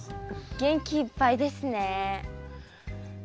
元気いっぱいですね。